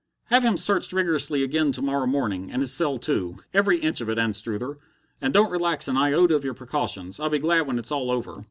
"Have him searched rigorously again to morrow morning, and his cell too every inch of it, Anstruther. And don't relax an iota of your precautions. I'll be glad when it's all over."